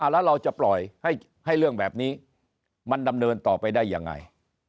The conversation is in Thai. แล้วเราจะปล่อยให้เรื่องแบบนี้มันดำเนินต่อไปได้ยังไง